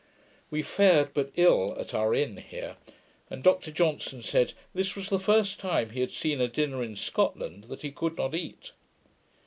We fared but ill at our inn here; and Dr Johnson said, this was the first time he had seen a dinner in Scotland that he could not eat.